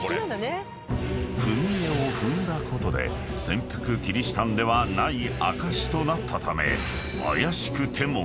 ［踏絵を踏んだことで潜伏キリシタンではない証しとなったため］